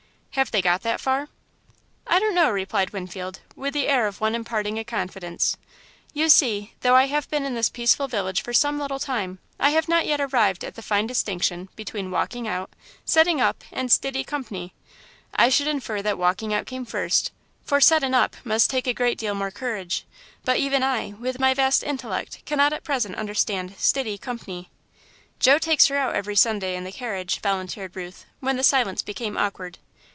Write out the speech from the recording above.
"Have they got that far?" "I don't know," replied Winfield, with the air of one imparting a confidence. "You see, though I have been in this peaceful village for some little time, I have not yet arrived at the fine distinction between 'walking out, 'settin' up,' and 'stiddy comp'ny.' I should infer that 'walking out' came first, for 'settin' up' must take a great deal more courage, but even 1, with my vast intellect, cannot at present understand 'stiddy comp'ny.'" "Joe takes her out every Sunday in the carriage," volunteered Ruth, when the silence became awkward.